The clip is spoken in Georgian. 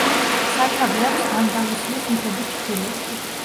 სათავე აქვს ანდალუსიის მთების ჩრდილოეთით.